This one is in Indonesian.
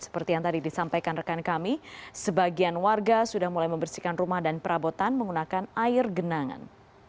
seperti yang tadi disampaikan rekan kami sebagian warga sudah mulai membersihkan rumah dan perabotan menggunakan air genangan